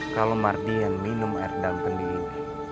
kalau mardian minum air daun kendi ini